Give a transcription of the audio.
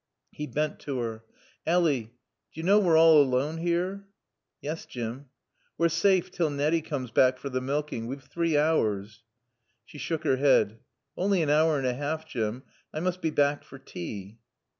He bent to her. "Ally d'yo knaw we're aloan here?" "Yes, Jim." "We're saafe till Naddy cooms back for t' milkin'. We've three hours." She shook her head. "Only an hour and a half, Jim. I must be back for tea."